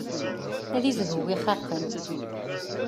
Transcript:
Ad izhu win ixaqen.